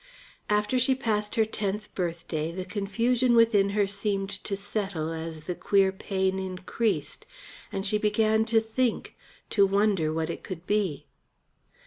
After she passed her tenth birthday the confusion within her seemed to settle as the queer pain increased, and she began to think, to wonder what it could be.